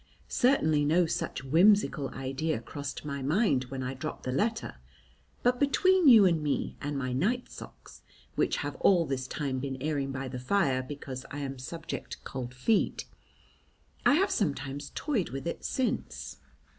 Certainly no such whimsical idea crossed my mind when I dropped the letter, but between you and me and my night socks, which have all this time been airing by the fire because I am subject to cold feet, I have sometimes toyed with it since.